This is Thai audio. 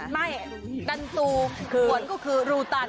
ไม่ดันตูสวนก็คือลูตัน